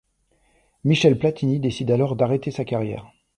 Michel Platini décide alors d'arrêter sa carrière.